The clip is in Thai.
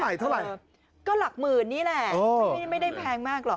เท่าไหร่เท่าไหร่ก็หลักหมื่นนี่แหละอะไม่ไม่ได้มากหรอก